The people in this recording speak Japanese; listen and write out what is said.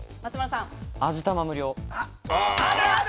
味玉無料。